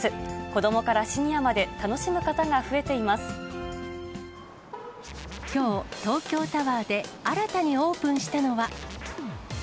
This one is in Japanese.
子どもからシニアまで、楽しむ方きょう、東京タワーで新たにオープンしたのは。